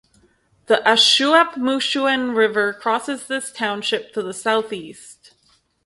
The Ashuapmushuan River crosses this township to the southeast.